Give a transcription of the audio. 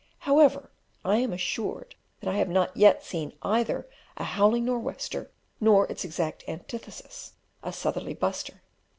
However, I am assured that I have not yet seen either a "howling nor' wester," nor its exact antithesis, "a sutherly buster."